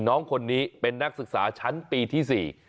น้องคนนี้เป็นนักศึกษาชั้นปีที่๔